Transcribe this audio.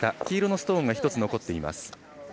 黄色のストーンが１つ残っています。